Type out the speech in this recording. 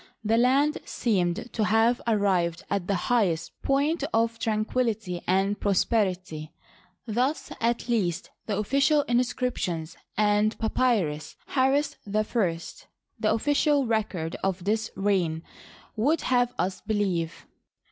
The land seemed to have arrived at the highest point of tranquillity and pros perity. Thus, at least, the official inscriptions and Papyrus Harris I, the official record of this reign, would have us believe.